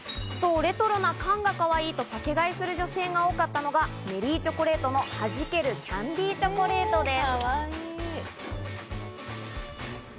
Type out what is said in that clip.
そう、レトロな缶がかわいいとパケ買いする女性が多かったのがメリーチョコレートの「はじけるキャンディチョコレート」です。